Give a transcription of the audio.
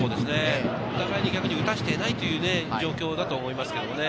お互いに打たせていないという状況だと思いますけどね。